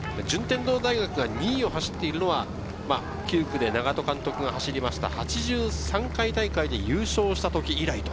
順天堂が２位を走っているのは９区で長門監督が走った８３回大会で優勝した時以来。